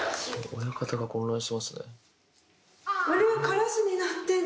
親方が混乱してますね。